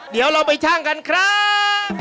เดี๋ยวเราไปชั่งกันครับ